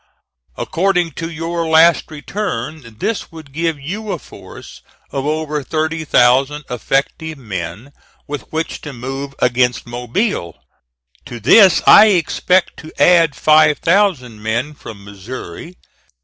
According to your last return, this would give you a force of over thirty thousand effective men with which to move against Mobile. To this I expect to add five thousand men from Missouri.